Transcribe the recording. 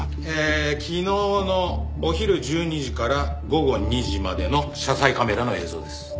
えー昨日のお昼１２時から午後２時までの車載カメラの映像です。